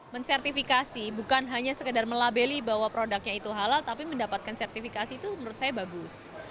mensertifikasi bukan hanya sekedar melabeli bahwa produknya itu halal tapi mendapatkan sertifikasi itu menurut saya bagus